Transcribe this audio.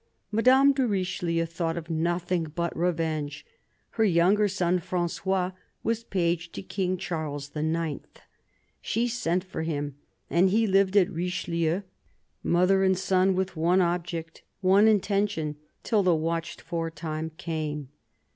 Madame de Richelieu thought of nothing but revenge. Her younger son, Frangois, was page to King Charles IX. : she sent for him, and he lived at Richelieu, mother and son with one object, one intention, till the watched for time came.